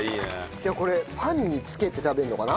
じゃあこれパンにつけて食べるのかな？